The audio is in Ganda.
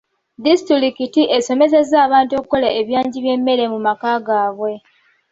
Disitulikiti esomesezza abantu okukola ebyagi by'emmere mu maka gaabwe.